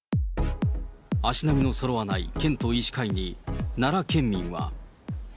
足並みのそろわない県と医師会に奈良県民は。